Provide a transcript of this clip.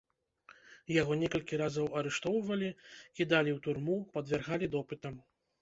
Яго некалькі разоў арыштоўвалі, кідалі ў турму, падвяргалі допытам.